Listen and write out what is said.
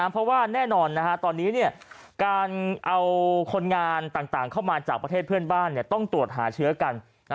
เพราะว่าแน่นอนตอนนี้การเอาคนงานต่างเข้ามาจากประเทศเพื่อนบ้านต้องตรวจหาเชื้อกัน